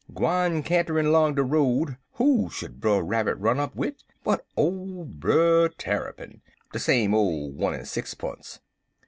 Gwine canterin' long de road, who should Brer Rabbit run up wid but ole Brer Tarrypin de same ole one en sixpunce.